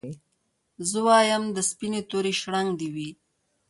زه وايم د سپيني توري شړنګ دي وي